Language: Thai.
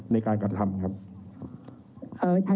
เรามีการปิดบันทึกจับกลุ่มเขาหรือหลังเกิดเหตุแล้วเนี่ย